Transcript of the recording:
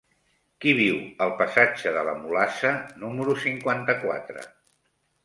Qui viu al passatge de la Mulassa número cinquanta-quatre?